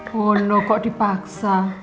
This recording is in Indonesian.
pono kok dipaksa